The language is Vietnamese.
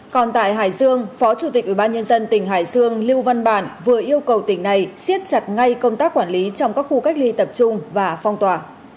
còn tại hải dương phó chủ tịch ubnd tỉnh hải dương lưu văn bản vừa yêu cầu tỉnh này siết chặt ngay công tác quản lý trong các khu cách ly tập trung và phong tỏa